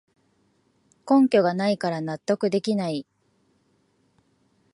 根拠がないから納得できない